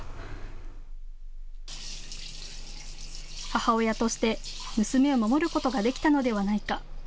母親として娘を守ることができたのではないか。